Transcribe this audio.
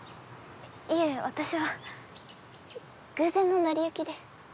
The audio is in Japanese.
いえ私は偶然の成り行きで。